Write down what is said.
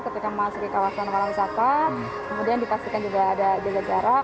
ketika masuk ke kawasan warga wisata kemudian dipastikan juga ada jaga jarak